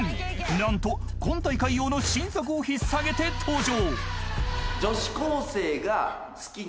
［何と今大会用の新作を引っ提げて登場！］